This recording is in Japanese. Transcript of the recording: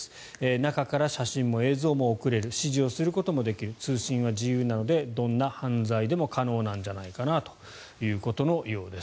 中から写真も映像も送れる指示をすることもできる通信は自由なのでどんな犯罪でも可能なんじゃないかなということのようです。